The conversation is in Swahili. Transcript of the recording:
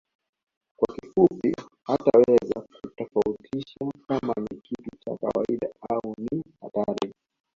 Kwa kifupi hataweza kutofautisha kama ni kitu cha kawaida au ni hatari